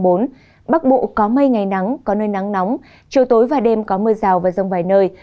bắc bộ có mây ngày nắng có nơi nắng nóng chiều tối và đêm có mưa rào và rông vài nơi